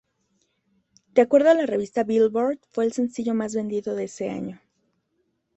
De acuerdo a la revista "Billboard", fue el sencillo más vendido de ese año.